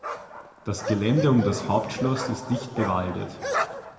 Das Gelände um das Hauptschloss ist dicht bewaldet.